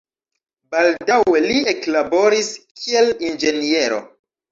Baldaŭe li eklaboris, kiel inĝeniero.